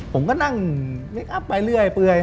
ผมก็นั่งไปเรื่อย